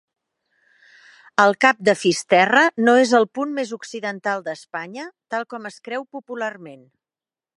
El cap de Fisterra no és el punt més occidental d'Espanya, tal com es creu popularment.